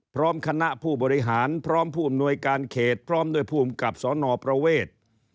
พร้อมคณะผู้บริหารพร้อมผู้อำนวยการเขตพร้อมด้วยผู้อำกับสนประเวท